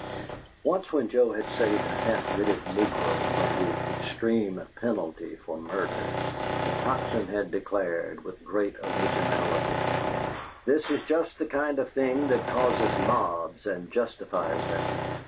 Once when Joe had saved a half witted negro from "the extreme penalty" for murder, the Tocsin had declared, with great originality: "This is just the kind of thing that causes mobs and justifies them.